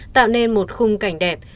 tạo nên một khung cảnh đẹp